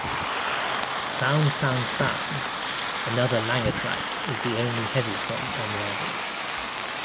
"Found Found Found", another Langer track, is the only heavy song on the album.